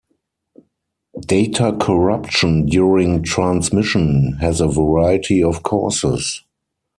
Data corruption during transmission has a variety of causes.